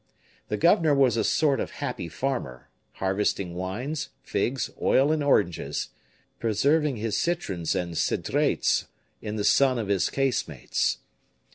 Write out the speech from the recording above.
The governor was a sort of happy farmer, harvesting wines, figs, oil, and oranges, preserving his citrons and cedrates in the sun of his casemates.